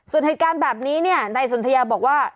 ส่วนเหตุการณ์แบบนี้เนี่ยนายสนทยาบอกว่า